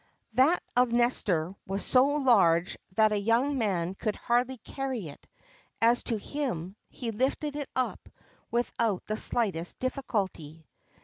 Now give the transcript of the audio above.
[XXVII 14] That of Nestor was so large that a young man could hardly carry it; as to him, he lifted it up without the slightest difficulty.